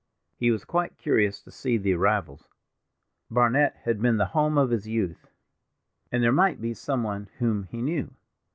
He was quite curious to see the arrivals. Barnet had been the home of his youth, and there might be some one whom he knew.